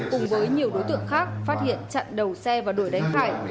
cùng với nhiều đối tượng khác phát hiện chặn đầu xe và đuổi đánh phải